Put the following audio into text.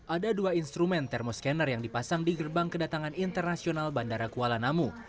ada dua instrumen thermo scanner yang dipasang di gerbang kedatangan internasional bandara kuala namu